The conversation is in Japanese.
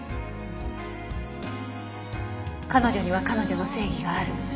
彼女には彼女の正義がある。